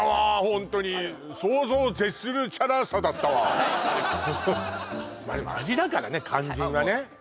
ホントに想像を絶するチャラさだったわまっでも味だからね肝心はねあっ